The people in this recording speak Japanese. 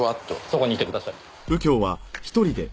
そこにいてください。